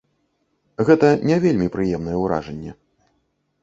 Гэта не вельмі прыемнае ўражанне.